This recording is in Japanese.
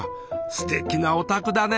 すてきなお宅だね。